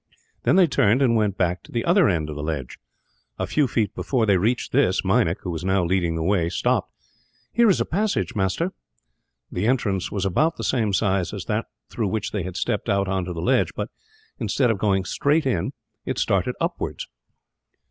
Then they turned, and went back to the other end of the ledge. A few feet before they reached this, Meinik who was now leading the way stopped. "Here is a passage, master." The entrance was about the same size as that through which they had stepped out on to the ledge but, instead of going straight in, it started upwards.